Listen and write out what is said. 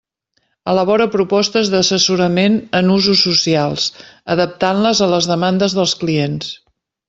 Elabora propostes d'assessorament en usos socials adaptant-les a les demandes dels clients.